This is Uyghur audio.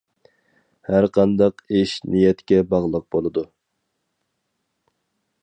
ھەر قانداق ئىش نىيەتكە باغلىق بولىدۇ.